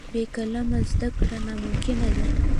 بې قلمه زده کړه ناممکنه ده.